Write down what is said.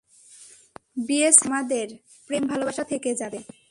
বিয়ে ছাড়াও আমাদের, প্রেম ভালোবাসা থেকে যাবে।